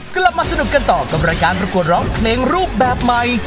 กลับมาสนุกกันต่อกับรายการประกวดร้องเพลงรูปแบบใหม่